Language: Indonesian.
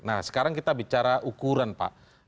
nah sekarang kita bicara ukuran pak